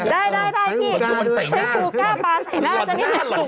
ได้พี่ให้สูกล้าปลาใส่หน้าจะไม่เห็นถูก